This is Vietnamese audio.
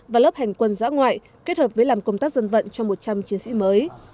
và lớp hành quân giã ngoại kết hợp với làm công tác dân vận cho một trăm linh chiến sĩ mới